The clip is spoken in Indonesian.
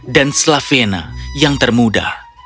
dan slavena yang termuda